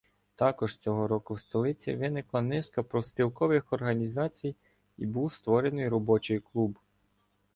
Також цього року в столиці виникла низка профспілкових організацій і був створений робочий клуб.